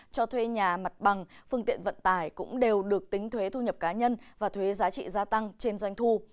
cho thuê nhà mặt bằng phương tiện vận tải cũng đều được tính thuế thu nhập cá nhân và thuế giá trị gia tăng trên doanh thu